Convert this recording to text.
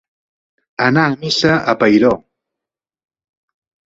Anar a missa a Peiró.